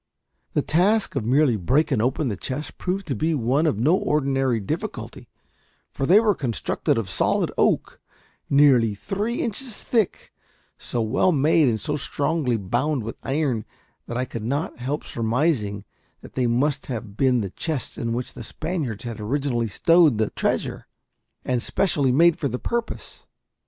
The task of merely breaking open the chests proved to be one of no ordinary difficulty; for they were constructed of solid oak, nearly three inches thick, so well made, and so strongly bound with iron, that I could not help surmising that they must have been the chests in which the Spaniards had originally stowed the treasure, and specially made for the purpose.